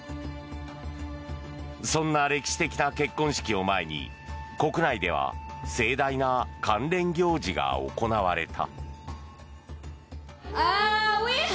そんな歴史的な結婚式を前に国内では盛大な関連行事が行われた。